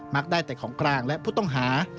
ักได้แต่ของกลางและผู้ต้องหา